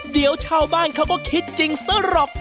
เดี๋ยวชาวบ้านเขาก็คิดจริงสรุป